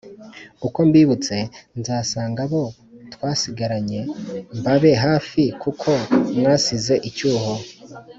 uko mbibutse nzasanga abo twasigaranye mbabe hafi kuko mwasize icyuho!